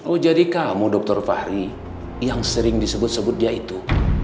oh jadi kamu dr fahri yang sering disebut sebut dia itu